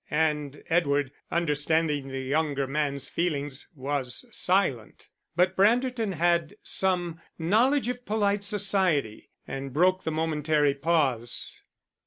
And Edward, understanding the younger man's feelings, was silent. But Branderton had some knowledge of polite society, and broke the momentary pause.